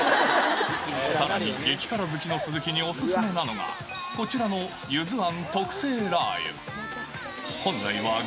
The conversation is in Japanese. さらに激辛好きの鈴木にお勧めなのがこちらのゆず庵特製ラー油。